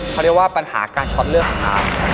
เขาเรียกว่าปัญหาการช็อตเลือดอาบ